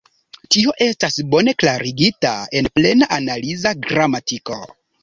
Tio estas bone klarigita en Plena Analiza Gramatiko.